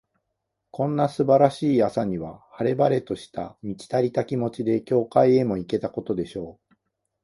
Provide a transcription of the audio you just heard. こんな素晴らしい朝には、晴れ晴れとした、満ち足りた気持ちで、教会へも行けたことでしょう。